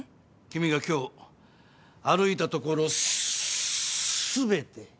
君が今日歩いたところ全て。